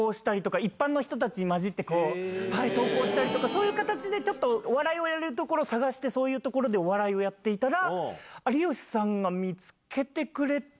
そういう形でちょっとお笑いをやれるところを探してそういうところでお笑いをやっていたら。